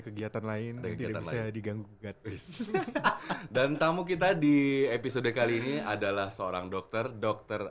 kegiatan lain yang tidak bisa diganggu dan tamu kita di episode kali ini adalah seorang dokter dokter